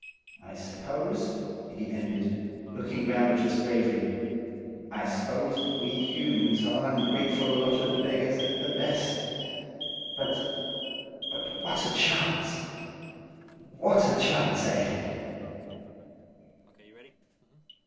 "I suppose," he ended, looking round at us gravely, "I s'pose we humans are an ungrateful lot of beggars at the best! But–but, what a chance? What a, chance, eh?"